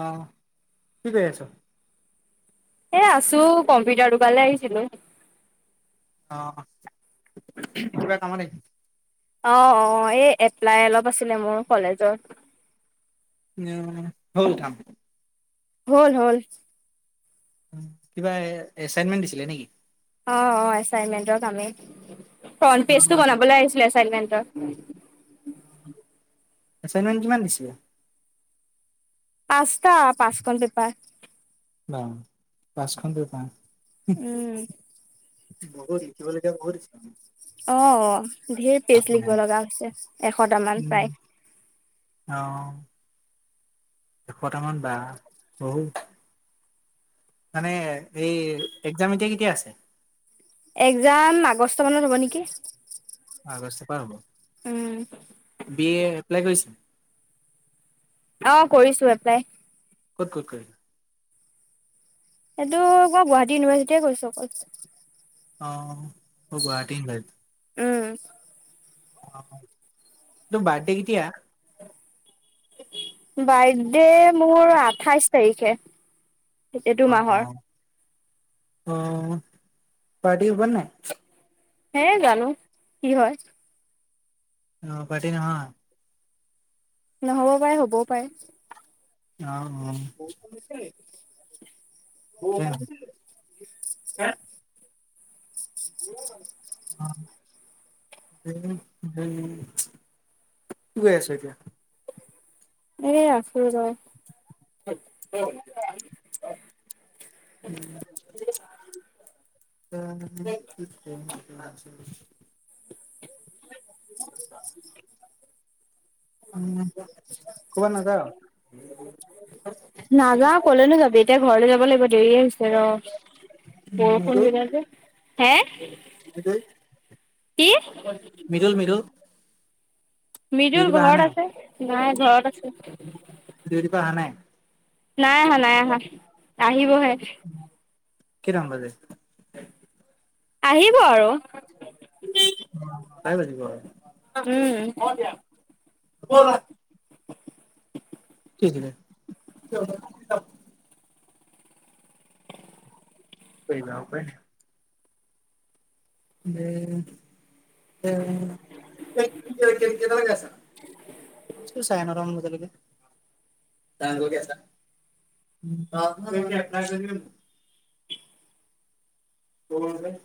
অ হ কি কৰি আছো? এ আছো কম্পিউটাৰ দোকানলে আহিছিলো অ কিবা কামত অ অ এই এপ্লাই অলপ আছিলে মোৰ কলেজত উম হল কাম হল হল কিবা এচাইনমেন্ট দিছিলে নেকি? অ অ এচাইনমেন্টৰ কামেই ফ্ৰন্ট অ পেজটো বনাবলৈ আহিছিলে ছাগে এনেন্টৰ এচাইনমেন্ট কিমান দিছিলে পাঁচটা পাঁচখন পেপাৰ অ পাঁচখন পেপাৰ উম বোৰ্ডত লিখিবলগীয়া বহুত আছে। অ অ ধেৰ পেজ লিখিব লগা হৈছে এশট মান উম প্ৰায় অ এশটামান বা বহুত মানে এই এক্জাম এতিয়া কেতিয়া আছে একজাম আগষ্ট মানত হ'ব নেকি? আগষ্ট পা হব উম বি এ এপ্লাই কৰিছিল অ কৰিছো এপ্লাই ক'ত কত কৰিলা এইটো আকৌ গুৱাহাটী ইউনিভাৰ্চিটিয়ে কৰিছো অকল অ গুৱাহাটী ইউনিভাৰ্ছিটি উম অ তোৰ বাৰ্ডে কেতিয়া বাৰ্থডে মোৰ আঠাইশ তাৰিখে এইটো অ অ মাহৰ অ পাৰটি হব নে নাই হে জানো কি হয় অ পাৰ্টি নহয়। নহ'ব পাৰে হ'বও পাৰে অ অ বৰষুণ দিছে নেকি বৰষুণ কি দিছে নে নাই হা [unintelligible] অ কি কৰি আছো এতিয়া এ আছো ৰ [inaudible] [unintelligible] কবাত নাজাৰ নাযাও কলেনো যাবি এতিয়া ঘৰলৈ যাব লাগিব দেৰিয়ে হৈছে ৰ বৰষুণ মৃদুল, দিলে যে হে মৃদুল, কি মৃদুল, মৃদুল মিজুৰ ডিউটিৰ পৰা অহা ঘৰত নাই? আছে নাই ঘৰত আছে ডিউটিৰ পৰা অহা নাই? নাই আহা নাই আহা আহিবহে। কেইটামান বাজে আহিব আৰু পাই বাজিব উম। [unintelligible] কৈ যাব প ন [unintelligible] উ কে কেটা লৈকে আছ? ম চাৰে নটা মান বজা লৈকে। [unintelligible] ক ন [unintelligible]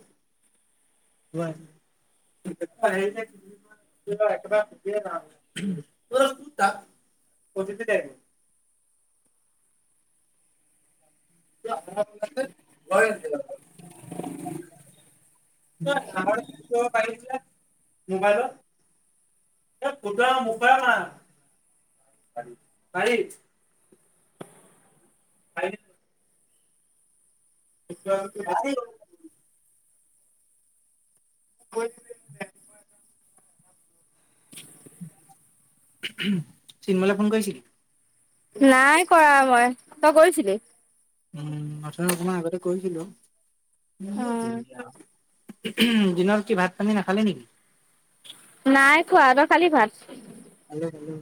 [inaudible] একেবাৰ নাম [unintelligible] [inaudible] গ জ [unintelligible] [unintelligible] মোবাইলৰ কুত মুফায় ম তাৰ [unintelligible] [inaudible] [unintelligible] উঠিলোঁ। [unintelligible] চিন্মলৈ ফোন কৰিছিলি? নাই কৰা মই, তই কৰিছিলি। উম প্ৰথম অকণমান আগতে কৈছিলোঁ। উ উম দিনত কি ভাত পানী নাখালি নেকি? নাই খোৱা তই খালি ভাত। খালোঁ-খালোঁ।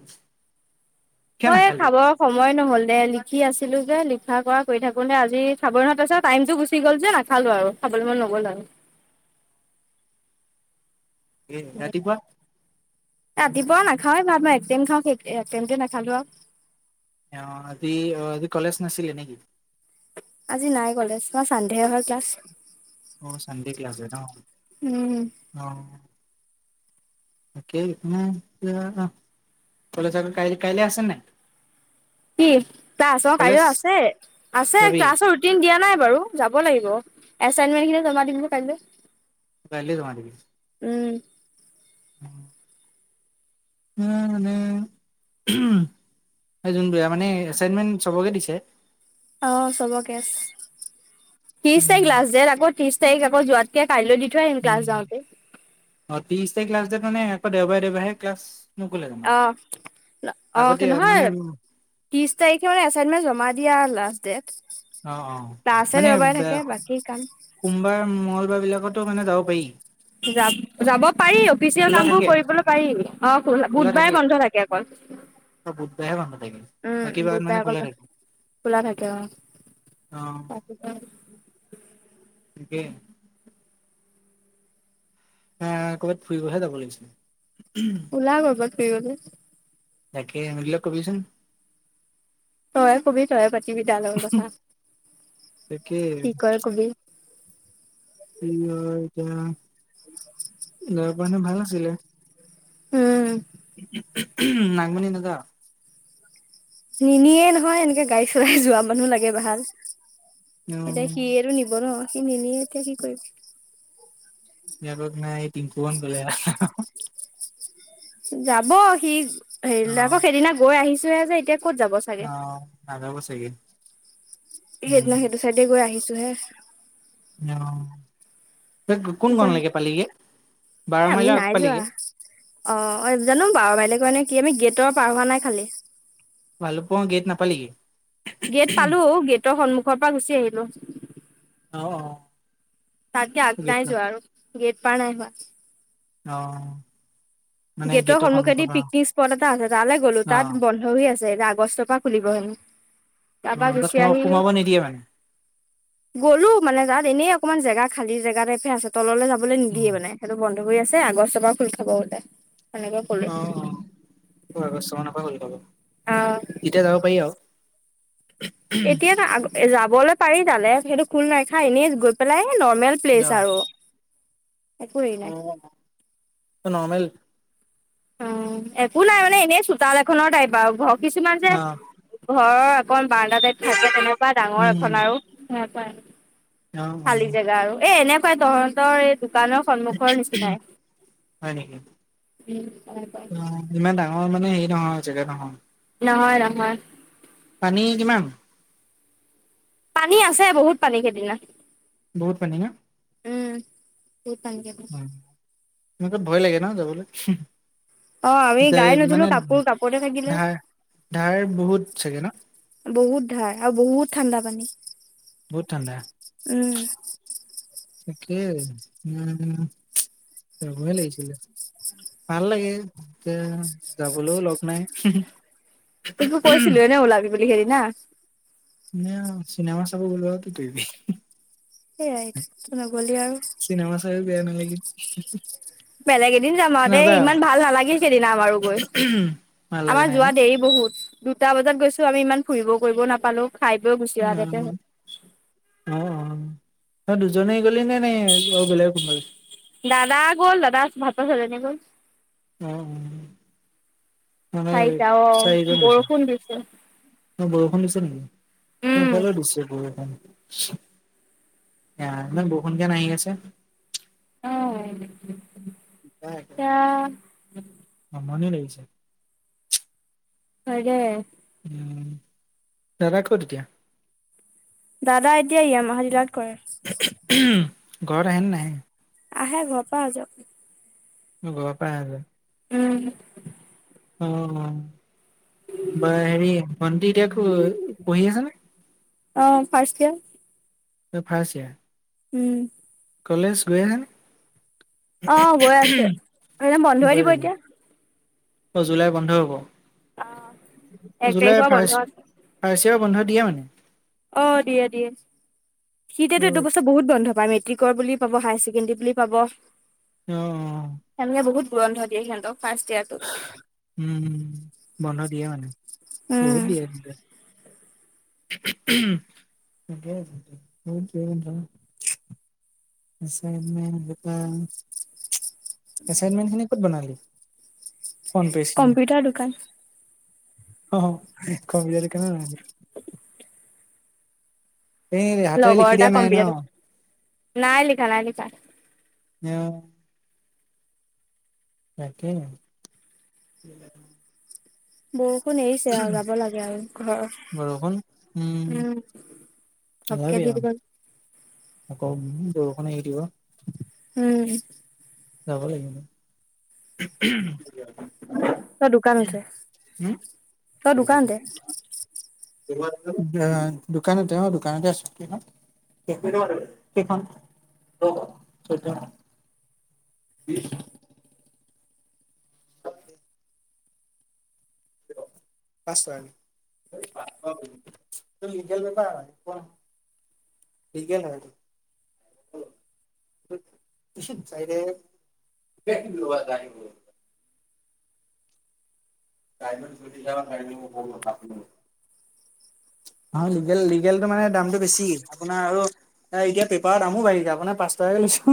মই খাবৰ সময় নহ'ল দে লিখি আছো। ছিলো যে লিখা কৰা কৰি থাকোতে আজি চাব নহ'ল আছে টাইমতটো গুচি গ'ল যে নাখালো আৰু খাবলৈ মন নগ'ল আৰু। [unintelligible] [inaudible] এ আৰু। ৰাতিপুৱা ৰাতিপুৱা নাখাওৱেই ভাত মই এক টাইম খাওঁ সেই একটাইমতে নাখালো আৰু। অ', আজি আজি কলেজ নাছিলে নেকি? আজি নাই কলেজ [unintelligible] চানডেহে হয় ক্লাছ। অ', চানডে ক্লাছ ন' উম অ'। কলেজ কাই কাইলৈ আছে নাই? কি তাৰ আছ কাইলৈ কলেজ আছে আছে যাবি ক্লাছৰ ৰুটিন দিয়া নাই বাৰু। যাব লাগিব এচাইনমেন্ট খিনি জমা দিমগ কাইলৈ। কাইলৈ যমা দিবি উম। উম। উম, হম [unintelligible] সেই জোনটোৱে মানে এচাইনমেন চবকে দিছে? অ', চবকে ত্ৰিশ তাৰিখ লাষ্ট ডট আকৌ ত্ৰিছ তখ তাইক আক যোৱাতকে কাইলৈ দি থৈ আহিম উ, ক্লাছ যাওঁতে অ', ত্ৰিশ তাৰিখ ক্লাছ যে তানে আকৌ দেওবাৰে দেওবাৰোহে ক্লাছ। নকৰিলে জানো অ', অ', আগতে মানে নহয়। ত্ৰিশ তাৰিখে মানে এছাইনমেন্ট জমা দিয়া লাষ্ট ডেট। অ', অ', ক্লাছে মানে দেওবাৰে থাকে বাকী কাম সোমবাৰ মঙ্গলবাৰ বিলাকত টো মানে যাব পাৰি। যাব - যাব পাৰি অফিচিয়েল খোলা কাম বোৰ থাকে কৰিবলৈ পাৰি অ, বুধবাৰে বন্ধ থাকে অকল। অ' বুধবাৰেহে বন্ধ থাকে উম, বাকী বাৰত মানে বুধবাৰ খোলা থাকে [unintelligible] খোলা থাকে অ, অ তাক এতিয়া কি? আহ ক'বাত ফুৰিবহে যা'ব লাগছিল। উলা গৈ [unintelligible] তাকে মৰিল কবিচোন তই কবি তইয়ে পাতিবি তাৰ লগত কথা। তাকে। কি কয় কবি কি হয় মানে ভাল আছিলে। উম নাগ মনি দাদা নিনিয়ে নহয় এনেকে গাড়ী চলাই যোৱা মানুহ লাগে ভাল এতিয়া উম সি আৰু নিব ন সি নিনিয়ে এতিয়া কি কৰিব। বিয়াকক নাই তিমফুমান গ'লে যাব সি অ হেৰি আকৌ সেইদিনা গৈ আহিছোহে যে এতিয়া ক'ত যাব চাগে অ' নাজাব চাগে। উম সেইদিনা সেইটো চাইডে গৈ আহিছো হে। অ ত যা কোনখন লাগে পালিগে এ বাৰ আমি মাইলৰ আগ নাই যোৱা পালেগে। অ অ জানো বাৰু বাইলেগ মানে কি আমি গেটৰ পাৰ হোৱা নাই খালি ভালু প গেত ন পালকি গেট পালো গেটৰ সন্মুখৰ পৰা গুচি আহিলো। অ তাত গে অ গেট আগদাই যোৱা আৰু গেট পাৰ নাই হোৱা আহ গেটৰ সন্মখেদি পিকনিক স্পট এটা আছে তালৈ গ'লো অ তাত বন্ধ হৈ আছে এ বস্ত পৰা খুলিব হেনে অ তাৰপা তাত গুচি সোমাব আহি সোমাব নিদিয়ে মানে গলো মানে তাত এনেই আৌ অকণমান জেগা খাল জেগাাৰাইে আছে তলৈ যাবলৈ নিদিয়ে উম মানে সেইটো বন্ আছে আগষ্টৰ পৰা খুলি খাব বলে। অ অ আগষ্ট মানৰ পৰা গলাব অ তেতিয়া যাব পাৰি আৰু এতিয়াতো আ যাবলৈ পাৰি তালে সেইটো খুল নাইখা এনেই গৈ পেলাই নৰ্মেল প্লেচ আৰু একো হেৰি অ নাই সনামেল অ একো নাই মানে এনেই চোতাল এখনৰ টাইপ আৰু ঘ কিছুমান যে অ ঘৰত অকণ বাৰদা াইত থাকে তেনেকুৱা ডাঙৰ উম এখন আৰু সনো অ অ খালী জেগা আৰু এ এনে াই তহঁতৰ এই দোকানৰ সন্মুখৰ নিচিনাই হয় নেকি উম তেনেকুৱাই। অ ইমান ডাঙৰ মানে হেৰি নহয় জেগা নহয় নহয় নহয়। পানী কিমান? পানী আছে বহুত পানীকেইদিনা। বৌত পনিঙ। উম বহুত পানী থাকে। ম তাত ভয় লাগে ন যাবলৈ অ আমি যাই গাই নুধলো মানে কাপোৰ কাপোতে থাকিলে ধাৰ ধাৰ বহুত চাগে ন হয় আৰু বহুত ঠাণ্ডা পানী বহতডা উম, উম, চবয় লাগিছিল। ভাল লাগে এতিয়া যাবলৈও লগ নাই তো কৈছিলো এেনে ওলাবি বুলি হেৰি না ম চিনেমা চাব গলো আও কি কৰিবি সেয়াই তোকতো নগ'লি আৰু। চিনেমা চাইও বেয়া নালাগিল বেলেগ এদিন যাম আৰু দেই নাযাওঁ ইমান ভাল নালাগিল সেইদিনাাম আৰু গৈ। ভাল লগা আমাৰ নাই ন যোৱা দেৰি বহুত দুটা বজাত গৈছো আমি ইমান ফুৰিব কৰিব নাপালো খাই বৈ গুচি অহাগতে হ'ল উম, উম,। তই দুজনে গ'লি নে নে আউ বেলেগো কোনোবা গছিলে দাদা গ'ল দাদা ভালপোৱা ছোৱালীজনী গ'ল অ অ মানে চাৰিটা অ চাৰিজন গৈছেলে বৰষুণ দিছে অ বৰষুণ দিছ ছে নিকি উম এইফালে দিছে বৰষুণ এ ইমান বৰষুণ যে আহি আছে হয় নেকি। দিগদাৰ একেবাৰে এতিয়া আমনি লাগিছে হয়় দে উম দাদা কত এতিয়া দাদা এতিয়া ইয়ামাহা ডিলাৰত কৰে ঘৰত আহে নে নাহে আহে ঘৰ পা অহা যোৱা কৰে সি ঘৰৰ পা অহে গৈ উম অঁ বা হেৰি ভন্টি এতিয়া কো পঢ়ি আছে নে অ ফাৰ্ষ্ট ইয়েৰ অ খাইছে উম কলেজ গৈ আছা নে অ গৈ আছে [unintelligible] এনে বন্ধই গৈ দিব আহো এতিয়া অ জুলাই বন্ধ হব অ এক তাৰিখৰ জুলাই পৰা বন্ধ ফাৰ্ষ্ট আছে ফাৰ্ষ্ট বন্ধ দিয়ে মানে অ দিয়ে দিয়ে অ সিতেতে এইটো বছৰ বহুত বন্ধ বা মেট্ৰিকৰ বুলি পাব হায়াৰ ছেকেণ্ডেৰী বুলি পাব অ অ সেনেকে বহুত বন্ধ দিয়ে সিহতক উম বন্ধ দিয়ে মানে বহুত উম দিয়ে তেন্তে [unintelligible] এছাইনমেন্ট গোটাই এচাইনমেন্ট খিনি ক'ত বনালি ফোন পাছ কম্পিউটাৰ দোকান। অহ কম্পিউটাৰ দোকানও বনালো এনে হাতেৰে লগৰ লিখি এটা দিয়া নাই ন কম্পিউটাৰ নাই লিখা নাই লিখা। নাই তাকেই বৰষুণ এৰিছে আৰু যাব লাগে আৰু বৰষুণ উম ঘৰ উম অকে ওলাবি দি আৰু দিবা আকৌ বৰষুণ এৰি দিব উম যাব লাগিব ন তই দোকানতে তই দোকানতে দোকানতে অ দোকানতে আছো কিখন খন কেইখন চৈধ্যখন চৈধ্যখন দি ছ আছাম ত লিগেল পেপাৰ হয় দুখন লিগেল হয় এইটো কিছত চাইদে [unintelligible] চাইদত [unintelligible] আৰু লিগেল লিগেলটো মানে দামটো বেছি। আপোনাৰ আৰু এ এতিয়া পেপাৰৰ দামো বাঢ়িছে, আপোনাৰ পাঁচ টকাকে লৈছো।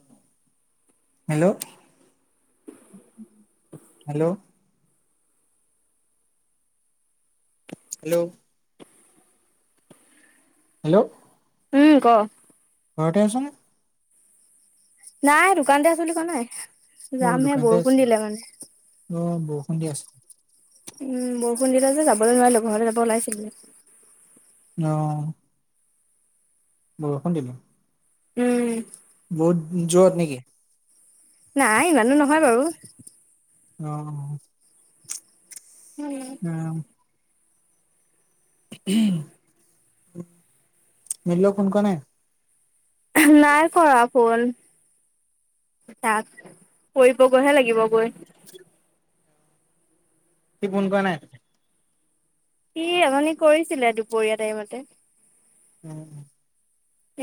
[inaudible] Hello, hello. হেল্ল'। হেল্ল'। উম, ক? ঘৰতে আছনে? নাই, দোকানতে আছো বুলি কোৱা নাই? অ', যামহে দোকানতে বৰষুণ আছে দিলে মানে। অ', বৰষুণ দি আছে। উম, বৰষুণ দিলে যে যাবলে নোৱাৰিলো, ঘৰলে যাব ওলাইছিলোৱে। ন। বৰষুণ দিলে। উম। বহুত জোৰত নেকি? নাই, ইমানো নহয় বাৰু। অহ। উম। মৃদুলক ফোন কৰা নাই? নাই কৰা ফোন। তাক [unintelligible] লাগিব গৈ সি ফোন কৰা নাই? সি অথনি কৰিছিলে, দুপৰীয়া টাইমতে। [unintelligible]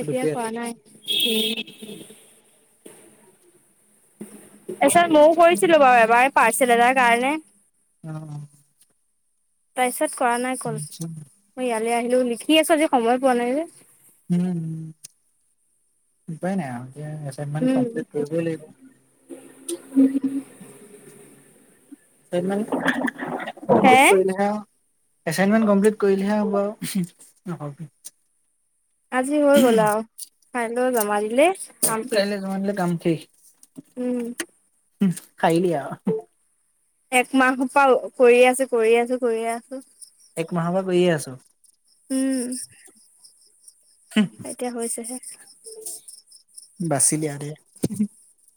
এতিয়া দুপৰীয়া কৰা নাই। [unintelligible] তাৰপিছত ময়ো কৰিছিলো বাৰু এবাৰ, পাৰ্চেল এটাৰ কাৰণে। অ অ। তাৰপিছত কৰা নাই ক'ল। মই ইয়ালৈ আহিলো লিখি আছো, আজি সময় পোৱা নাই যে। উম, উপায় নাই আও। এ এচাইটমেণ্ট উম কমপ্লিত কৰিবই লাগিব। ছাইনমেণ্ট হে [unintelligible] কৰিলেহে আও। এচাইনমেন্ট কমপ্লিট কৰিলেহে হ'ব আও। উম হুম। [unintelligible] আজি হৈ গ'ল আও। কাইলৈ জমা দিলেই কাইলে জমা দিলে কাম শেষ। উম হুহ, সাৰিলি আও। একমাহ পাও কৰি আছো, কৰি আছো, কৰি আছো। এক মাহৰ পৰা কৰিয়েই আছ? উম, এতিয়া হৈছেহে। [unintelligible]